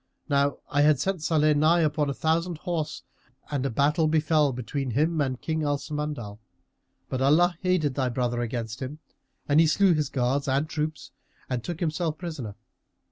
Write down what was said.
Now I had sent Salih nigh upon a thousand horse and a battle befel between him and King Al Samandal; but Allah aided thy brother against him, and he slew his guards and troops and took himself prisoner.